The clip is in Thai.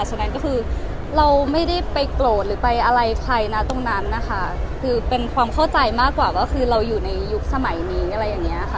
ฉะนั้นก็คือเราไม่ได้ไปโกรธหรือไปอะไรใครนะตรงนั้นนะคะคือเป็นความเข้าใจมากกว่าก็คือเราอยู่ในยุคสมัยนี้อะไรอย่างเงี้ยค่ะ